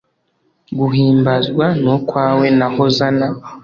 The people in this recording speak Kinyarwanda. Guhimbazwa ni ukwawe na Hosana